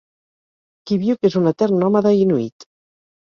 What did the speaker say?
Kiviuq és un etern nòmada inuit.